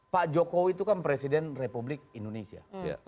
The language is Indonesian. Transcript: pak jokowi itu kan presiden republik indonesia